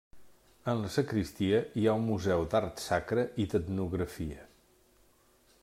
En la sagristia hi ha un museu d'art sacre i d'etnografia.